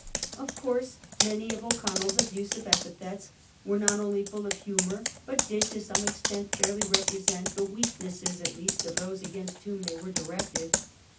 Of course many of O'Connell's abusive epithets were not only full of humour, but did to some extent fairly represent the weaknesses at least of those against whom they were directed.